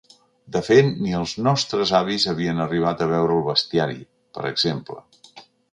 De fet, ni els nostres avis havien arribat a veure el bestiari, per exemple.